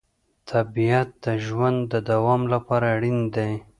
طبیعت د ژوند د دوام لپاره اړین دی